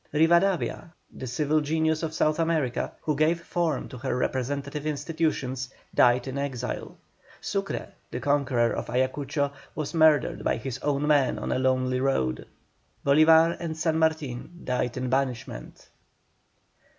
Rivadavia, the civil genius of South America, who gave form to her representative institutions, died in exile. Sucre, the conqueror of Ayacucho, was murdered by his own men on a lonely road. Bolívar and San Martin died in banishment.